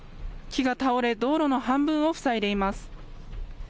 木が倒れ、道路の半分を塞いでいます。